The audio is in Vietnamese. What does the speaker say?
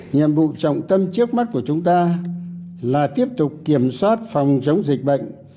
nhiệm vụ trọng tâm trước mắt của chúng ta là tiếp tục kiểm soát phòng chống dịch bệnh